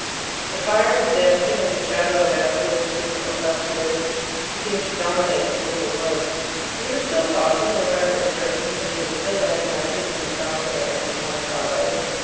The fire was dancing, and the shadow of Ansell, who stood close up to it, seemed to dominate the little room. He was still talking, or rather jerking, and he was still lighting matches and dropping their ends upon the carpet.